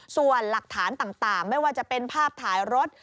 ส่วนหลักฐานต่างไม่ว่าจะเป็นภาพถ่ายรถ